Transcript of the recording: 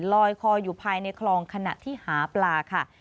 ลอยคออยู่ภายในคลองขณะที่หาปลาค่ะ